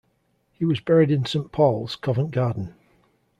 He was buried in Saint Paul's, Covent Garden.